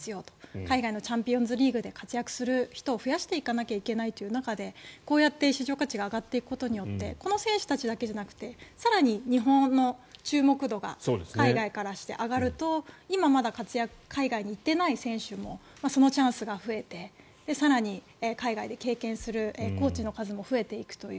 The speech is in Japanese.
海外のチャンピオンズリーグで活躍する人を増やしていかなきゃいけないという中でこうやって市場価値が上がっていくことによってこの選手たちだけじゃなくて更に日本の注目度が海外からして上がると今まだ海外に行っていない選手もそのチャンスが増えて更に海外で経験するコーチの数も増えていくという。